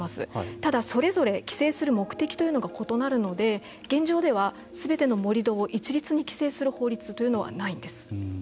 ただ、それぞれ規制する目的というのが異なるので現状ではすべての盛り土を一律に規制する法律というのはないんです。